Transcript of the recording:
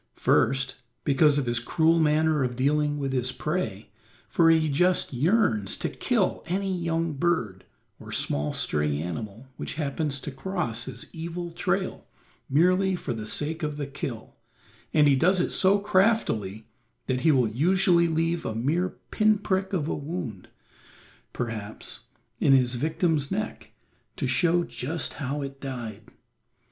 First, because of his cruel manner of dealing with his prey, for he just yearns to kill any young bird, or small stray animal which happens to cross his evil trail merely for the sake of the kill, and he does it so craftily that he will usually leave a mere pin prick of a wound, perhaps, in his victim's neck to show just how it died.